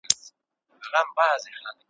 نه په خوله کي یې لرل تېره غاښونه `